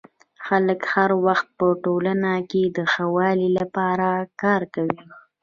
خلک هر وخت په ټولنه کي د ښه والي لپاره کار کوي.